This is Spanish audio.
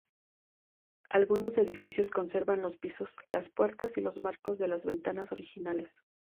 Algunos edificios conservan los pisos, las puertas y los marcos de las ventanas originales.